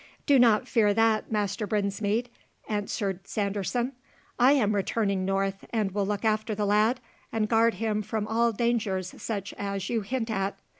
"Do not fear that, Master Brinsmead," answered Sanderson, "I am returning north, and will look after the lad, and guard him from all dangers such as you hint at.